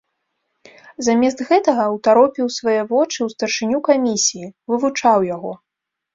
Замест гэтага ўтаропіў свае вочы ў старшыню камісіі, вывучаў яго.